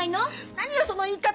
何よその言い方！